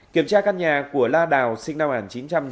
kiểm tra căn nhà của la đào sinh nam hàn